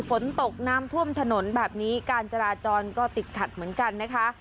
ฝนตกน้ำท่วมถนนแบบนี้การจราจรก็ติดขัดเหมือนกันนะคะ